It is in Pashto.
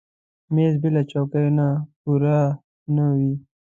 مېز بېله چوکۍ نه پوره نه وي.